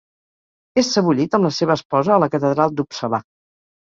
És sebollit amb la seva esposa a la catedral d'Uppsala.